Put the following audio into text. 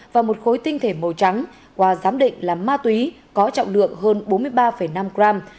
và một khối tinh thể màu trắng qua giám định là ma túy có trọng lượng hơn bốn mươi ba năm gram